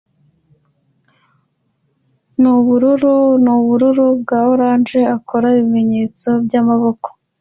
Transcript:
nubururu nubururu bwa orange akora ibimenyetso byamaboko